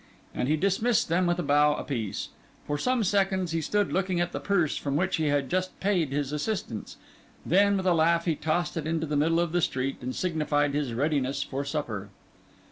And he dismissed them with a bow apiece. For some seconds he stood looking at the purse from which he had just paid his assistants, then, with a laugh, he tossed it into the middle of the street, and signified his readiness for supper.